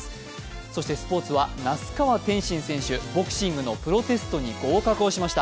そしてスポーツは那須川天心選手、ボクシングのプロテストに合格しました。